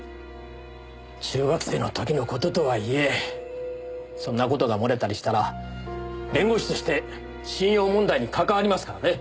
中学生のときの事とはいえそんな事が漏れたりしたら弁護士として信用問題に関わりますからね。